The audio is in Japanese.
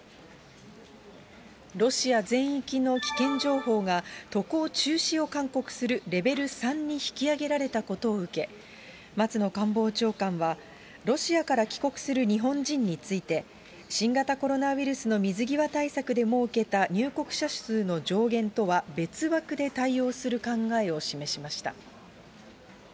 ロシア全域の危険情報が渡航中止を勧告するレベル３に引き上げられたことを受け、松野官房長官は、ロシアから帰国する日本人について、新型コロナウイルスの水際対策でもうけた入国者数の上限とは別枠で対応する考えを示しました。